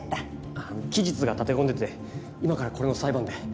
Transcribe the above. あっ期日が立て込んでて今からこれの裁判で。